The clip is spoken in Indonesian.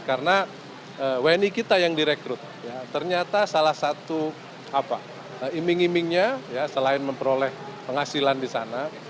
karena wni kita yang direkrut ternyata salah satu iming imingnya selain memperoleh penghasilan di sana